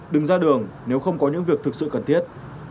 đừng ra đường nếu không có những việc thực sự cần thiết